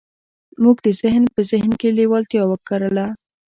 موږ د هغه په ذهن کې لېوالتیا وکرله.